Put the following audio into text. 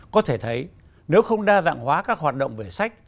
có thể thấy nếu không đa dạng hóa các hoạt động về sách